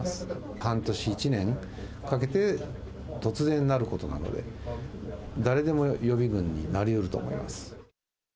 半年、１年かけて突然なることもあるので、誰でも予備軍になりうると思います。